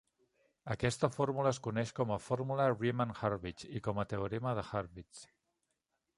Aquesta fórmula es coneix com a "fórmula Riemann-Hurwitz" i com a teorema de Hurwitz.